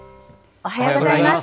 おはようございます。